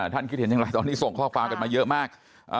คิดเห็นอย่างไรตอนนี้ส่งข้อความกันมาเยอะมาก